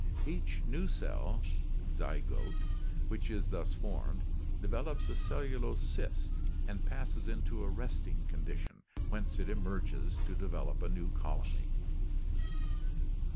Each new cell (zygote) which is thus formed develops a cellulose cyst and passes into a resting con dition, whence it emerges to develop a new colony.